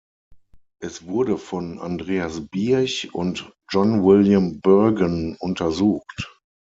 Es wurde von Andreas Birch und John William Burgon untersucht.